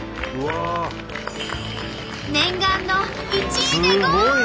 念願の１位でゴール！